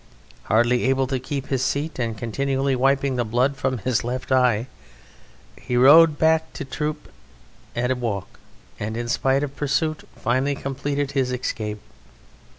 Hardly able to keep his seat and continually wiping the blood from his left eye, he rode back to his troop at a walk, and, in spite of pursuit, finally completed his escape.